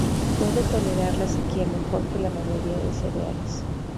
Puede tolerar la sequía mejor que la mayoría de cereales.